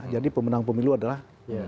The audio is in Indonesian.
jadi pemenang pemilu adalah